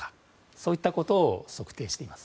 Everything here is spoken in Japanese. そういったことを測定しています。